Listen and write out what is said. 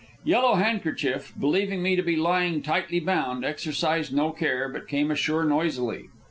Yellow Handkerchief, believing me to be lying tightly bound, exercised no care, but came ashore noisily.